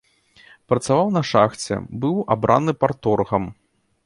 Працаваў на шахце, быў абраны парторгам.